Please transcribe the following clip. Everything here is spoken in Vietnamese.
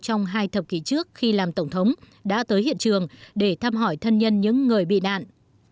trong hai thập kỷ trước khi làm tổng thống đã tới hiện trường để thăm hỏi thân nhân những người bị nạn